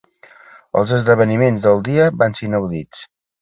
Els esdeveniments del dia van ser inaudits.